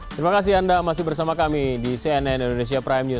terima kasih anda masih bersama kami di cnn indonesia prime news